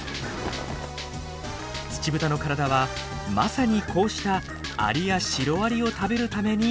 ツチブタの体はまさにこうしたアリやシロアリを食べるためにあるんです。